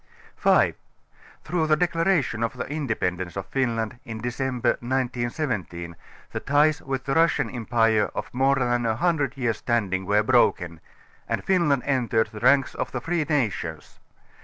5) Through the Declaration of the Ind├®pendance of Fin land in December 1917 the ties with the Russian Empire of more than a hundred years' standing were broken, and Fin land entered the ranks of the free nations.